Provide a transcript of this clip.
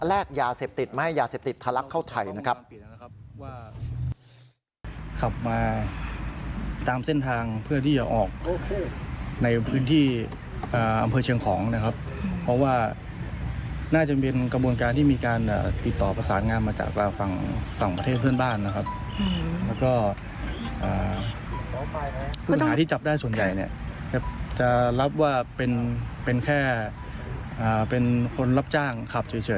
แลกยาเสพติดไม่ให้ยาเสพติดทะลักเข้าไทยนะครับ